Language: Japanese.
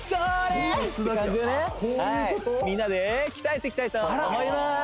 みんなで鍛えていきたいと思います